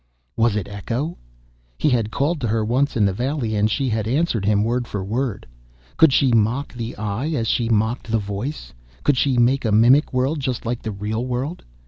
Was it Echo? He had called to her once in the valley, and she had answered him word for word. Could she mock the eye, as she mocked the voice? Could she make a mimic world just like the real world?